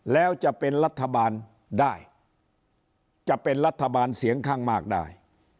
แล้วจะเป็นรัฐบาลได้จะเป็นรัฐบาลเสียงข้างมากได้